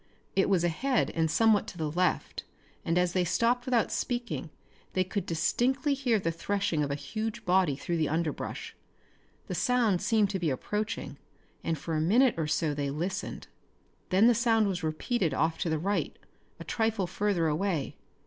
It was ahead and somewhat to the left, and as they stopped without speaking they could distinctly hear the threshing of a huge body through the underbrush. The sound seemed to be approaching and for a minute or so they listened. Then the sound was repeated off to the right, a trifle further away.